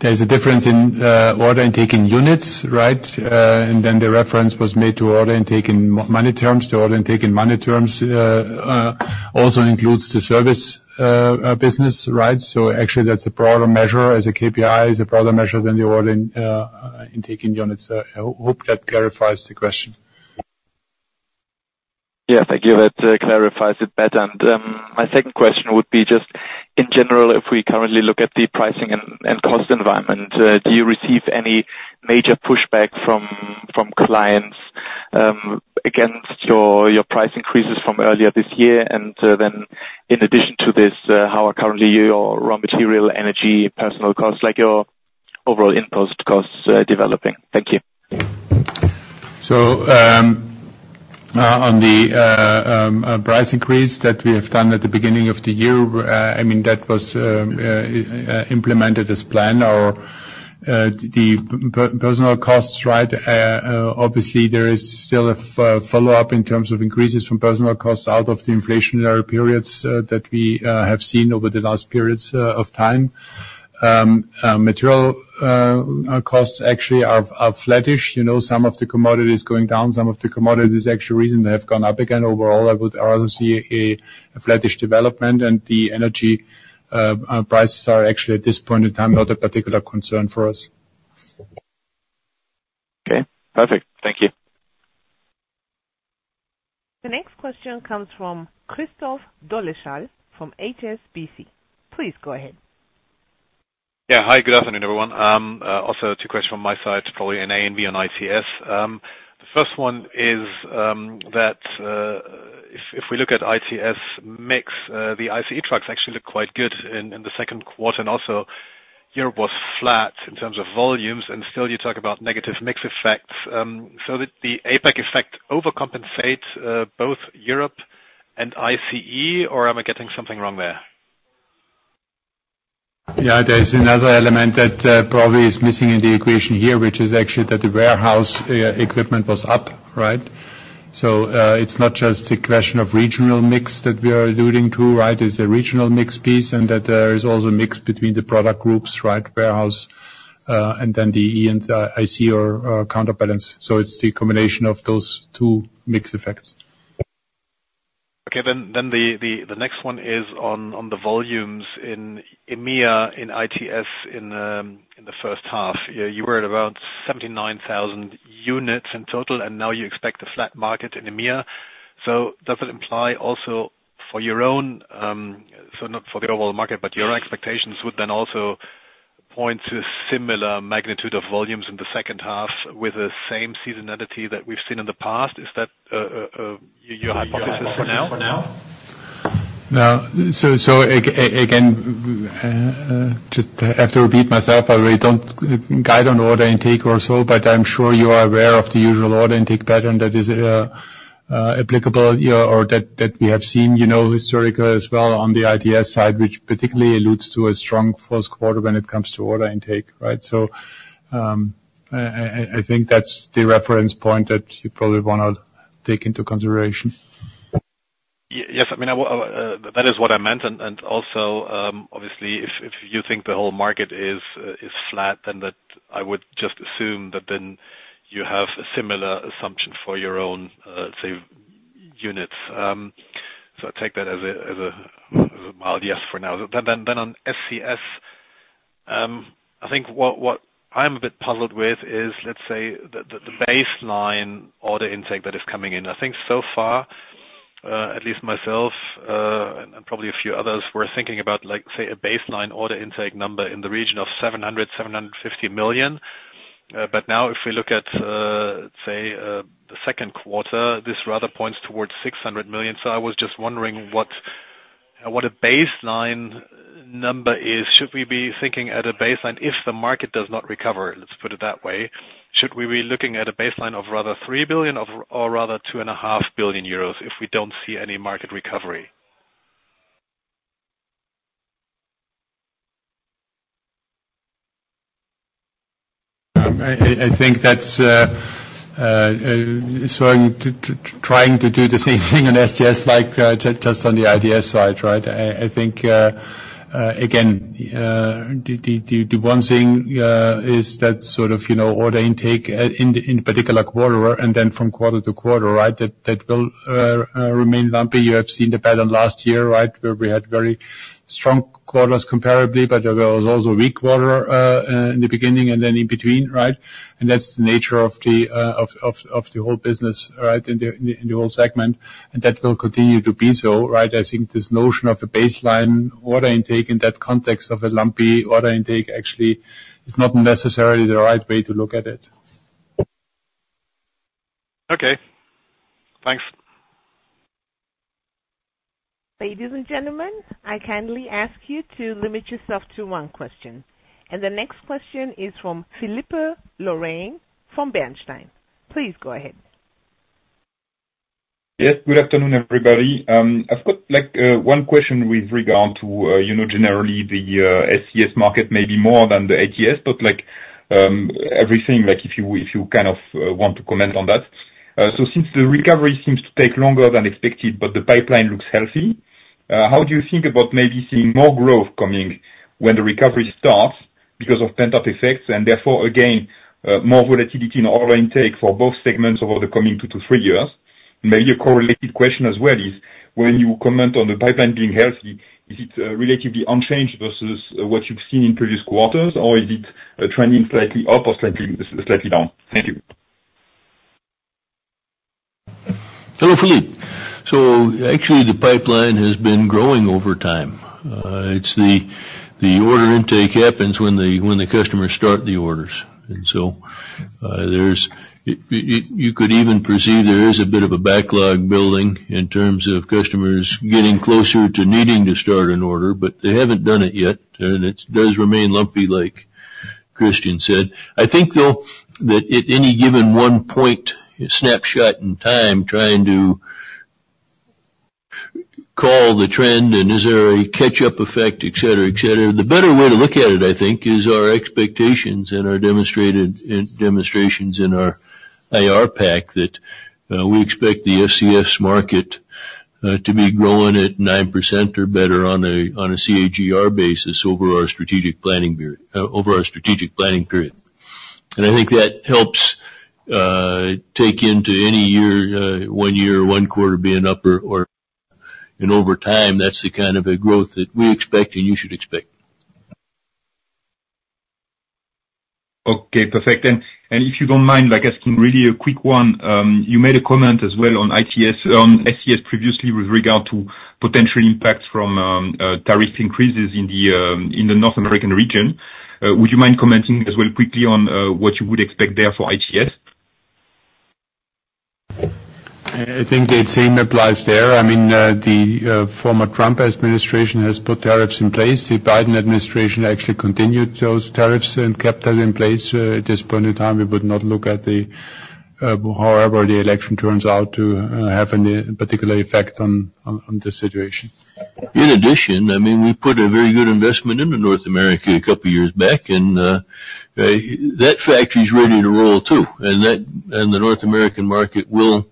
There's a difference in order intake in units, right? And then the reference was made to order intake in money terms. The order intake in money terms also includes the service business, right? So actually, that's a broader measure as a KPI, is a broader measure than the order intake in units. I hope that clarifies the question. Yeah. Thank you. That clarifies it better. And my second question would be just, in general, if we currently look at the pricing and cost environment, do you receive any major pushback from clients against your price increases from earlier this year? And then in addition to this, how are currently your raw material, energy, personal costs, like your overall input costs, developing? Thank you. So, on the price increase that we have done at the beginning of the year, I mean, that was implemented as planned. Our personal costs, right, obviously there is still a follow-up in terms of increases from personal costs out of the inflationary periods that we have seen over the last periods of time. Material costs actually are flattish. You know, some of the commodities going down, some of the commodities actually recently they have gone up again. Overall, I would rather see a flattish development, and the energy prices are actually, at this point in time, not a particular concern for us. Okay, perfect. Thank you. The next question comes from Christoph Dolleschal from HSBC. Please go ahead. Yeah. Hi, good afternoon, everyone. Also two questions from my side, probably an A and B on ITS. The first one is, that, if we look at ITS mix, the ICE trucks actually look quite good in the second quarter, and also Europe was flat in terms of volumes, and still you talk about negative mix effects. So did the APAC effect overcompensate, both Europe and ICE, or am I getting something wrong there? Yeah, there is another element that, probably is missing in the equation here, which is actually that the warehouse, equipment was up, right? So, it's not just a question of regional mix that we are alluding to, right? It's a regional mix piece, and that there is also a mix between the product groups, right? And then the E and I, I see your, counterbalance. So it's the combination of those two mix effects. Okay, then the next one is on the volumes in EMEA, in ITS, in the first half. You were at about 79,000 units in total, and now you expect a flat market in EMEA. So does it imply also for your own, so not for the overall market, but your expectations would then also point to similar magnitude of volumes in the second half with the same seasonality that we've seen in the past? Is that your hypothesis for now? Now, so again, just to have to repeat myself, I really don't guide on order intake or so, but I'm sure you are aware of the usual order intake pattern that is applicable, yeah, or that we have seen, you know, historically as well on the ITS side, which particularly alludes to a strong first quarter when it comes to order intake, right? So, I think that's the reference point that you probably wanna take into consideration. Yes, I mean, that is what I meant, and also, obviously, if you think the whole market is flat, then that I would just assume that then you have a similar assumption for your own, say, units. So I take that as a mild yes for now. Then on SCS, I think what I'm a bit puzzled with is, let's say, the baseline order intake that is coming in. I think so far, at least myself, and probably a few others, were thinking about, like, say, a baseline order intake number in the region of 700-750 million. But now if we look at, say, the second quarter, this rather points towards 600 million. So I was just wondering what, what a baseline number is. Should we be thinking at a baseline if the market does not recover? Let's put it that way. Should we be looking at a baseline of rather 3 billion of, or rather 2.5 billion euros, if we don't see any market recovery? I think that's so trying to do the same thing on SCS, like, just on the ITS side, right? I think again the one thing is that sort of, you know, order intake in particular quarter and then from quarter to quarter, right? That will remain lumpy. You have seen the pattern last year, right, where we had very strong quarters comparably, but there was also a weak quarter in the beginning and then in between, right? And that's the nature of the whole business, right, in the whole segment, and that will continue to be so, right? I think this notion of a baseline order intake in that context of a lumpy order intake actually is not necessarily the right way to look at it. Okay. Thanks. Ladies and gentlemen, I kindly ask you to limit yourself to one question. The next question is from Philippe Lorrain from Bernstein. Please go ahead. Yes, good afternoon, everybody. I've got, like, one question with regard to, you know, generally the SCS market, maybe more than the ITS, but like, everything, like, if you, if you kind of want to comment on that. So since the recovery seems to take longer than expected, but the pipeline looks healthy, how do you think about maybe seeing more growth coming when the recovery starts because of pent-up effects, and therefore, again, more volatility in order intake for both segments over the coming 2-3 years? Maybe a correlated question as well is, when you comment on the pipeline being healthy, is it relatively unchanged versus what you've seen in previous quarters, or is it trending slightly up or slightly, slightly down? Thank you. Hello, Philippe. So actually, the pipeline has been growing over time. It's the order intake happens when the customers start the orders. And so, there's... You could even perceive there is a bit of a backlog building in terms of customers getting closer to needing to start an order, but they haven't done it yet, and it does remain lumpy, like Christian said. I think, though, that at any given point, a snapshot in time, trying to call the trend and is there a catch-up effect, et cetera, et cetera, the better way to look at it, I think, is our expectations and our demonstrated demonstrations in our IR pack, that we expect the SCS market to be growing at 9% or better on a CAGR basis over our strategic planning period, over our strategic planning period. And I think that helps take into any year, one year, one quarter being up or. And over time, that's the kind of a growth that we expect and you should expect. Okay, perfect. And if you don't mind, like, asking really a quick one. You made a comment as well on ITS, SCS previously with regard to potential impacts from tariff increases in the North American region. Would you mind commenting as well quickly on what you would expect there for ITS? I think the same applies there. I mean, the former Trump administration has put tariffs in place. The Biden administration actually continued those tariffs and kept that in place. At this point in time, we would not look at, however, the election turns out to have any particular effect on the situation. In addition, I mean, we put a very good investment into North America a couple of years back, and that factory is ready to roll too, and that, and the North American market will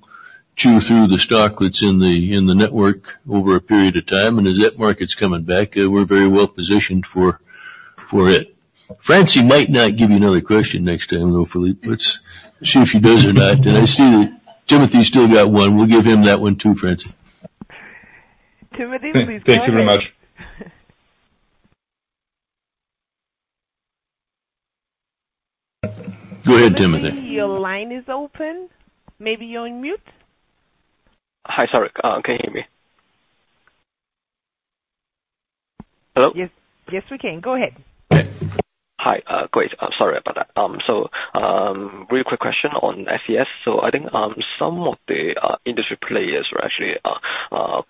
chew through the stock that's in the, in the network over a period of time, and as that market's coming back, we're very well positioned for, for it. Francie might not give you another question next time, though, Philippe. Let's see if she does or not. And I see that Timothy's still got one. We'll give him that one, too, Francie. Timothy, please go ahead. Thank you very much. Go ahead, Timothy. Timothy, your line is open. Maybe you're on mute? Hi. Sorry, can you hear me? Hello? Yes, yes, we can. Go ahead. Hi, great. Sorry about that. So, real quick question on SCS. So I think, some of the industry players are actually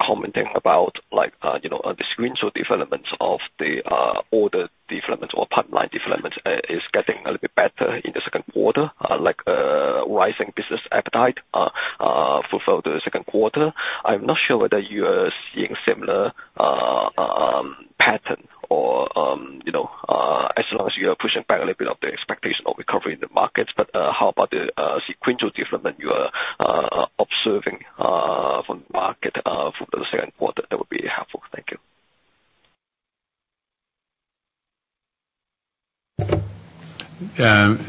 commenting about, like, you know, the sequential developments of the order development or pipeline development is getting a little bit better in the second quarter, like, rising business appetite throughout the second quarter. I'm not sure whether you are seeing similar pattern or, you know, as long as you are pushing back a little bit of the expectation of recovery in the markets. But, how about the sequential development you are observing from the market from the second quarter? That would be helpful. Thank you.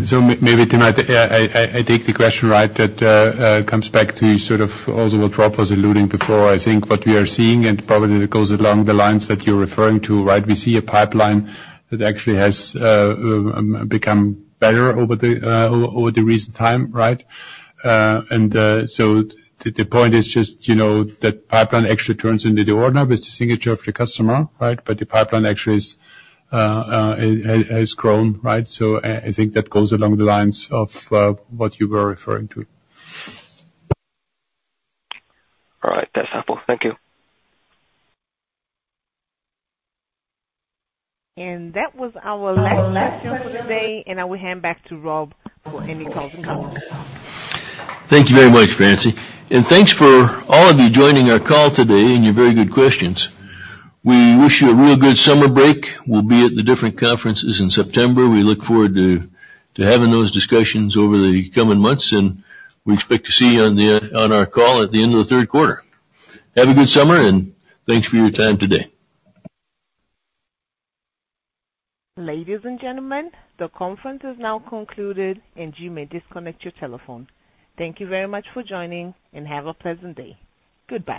So maybe, Timothy, I take the question, right, that comes back to sort of also what Rob was alluding before. I think what we are seeing, and probably it goes along the lines that you're referring to, right? We see a pipeline that actually has become better over the recent time, right? So the point is just, you know, that pipeline actually turns into the order with the signature of the customer, right? But the pipeline actually has grown, right? So I think that goes along the lines of what you were referring to. All right. That's helpful. Thank you. That was our last question for the day, and I will hand back to Rob for any closing comments. Thank you very much, Francie. Thanks for all of you joining our call today, and your very good questions. We wish you a real good summer break. We'll be at the different conferences in September. We look forward to, to having those discussions over the coming months, and we expect to see you on the, on our call at the end of the third quarter. Have a good summer, and thanks for your time today. Ladies and gentlemen, the conference is now concluded, and you may disconnect your telephone. Thank you very much for joining, and have a pleasant day. Goodbye.